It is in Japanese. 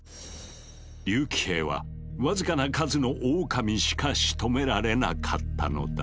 竜騎兵は僅かな数のオオカミしかしとめられなかったのだ。